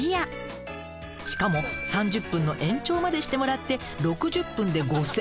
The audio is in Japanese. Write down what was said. しかも３０分の延長までしてもらって６０分で５，０００円。